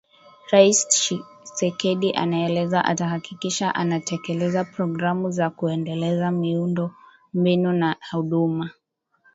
Rais Tshisekedi anaeleza atahakikisha anatekeleza programu za kuendeleza miundo mbinu na huduma